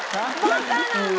バカなの？